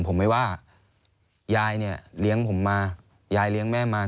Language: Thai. ผมไม่ว่ายายเนี่ยเลี้ยงผมมายายเลี้ยงแม่มา